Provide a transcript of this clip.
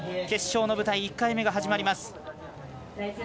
決勝の舞台、１回目が始まります。